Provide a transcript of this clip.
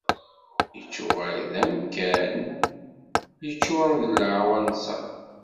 Ittuɣal d amkan yeččuren d leɛwanser.